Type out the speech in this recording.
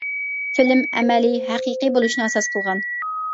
فىلىم «ئەمەلىي، ھەقىقىي» بولۇشنى ئاساس قىلغان.